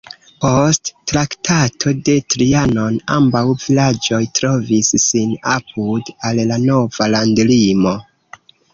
Post Traktato de Trianon ambaŭ vilaĝoj trovis sin apud al la nova landlimo.